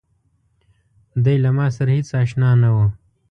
دی له ماسره هېڅ آشنا نه و.